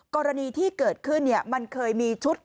กรณีที่เกิดขึ้นเนี่ยมันเคยมีชุดของ